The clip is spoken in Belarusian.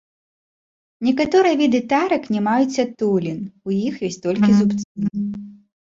Некаторыя віды тарак не маюць адтулін, у іх ёсць толькі зубцы.